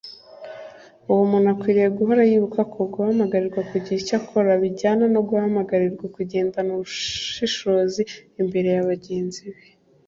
uwo muntu akwiriye guhora yibuka ko guhamagarirwa kugira icyo akora bijyana no guhamagarirwa kugendana ubushishozi imbere y'abantu bagenzi be